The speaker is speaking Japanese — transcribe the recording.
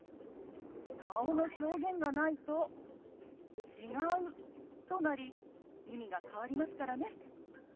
顔の表現がないと「違う」となり意味が変わりますからね。